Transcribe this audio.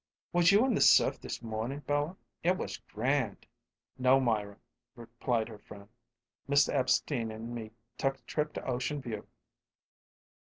"Was you in the surf this mornin', Bella? It was grand!" "No, Myra," replied her friend. "Mr. Epstein and me took a trip to Ocean View."